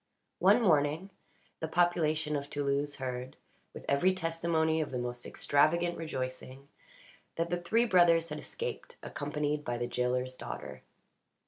One morning, the population of Toulouse heard, with every testimony of the most extravagant rejoicing, that the three brothers had escaped, accompanied by the jailer's daughter.